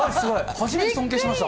初めて尊敬しました。